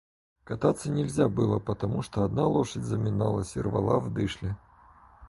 Кататься нельзя было, потому что одна лошадь заминалась и рвала в дышле.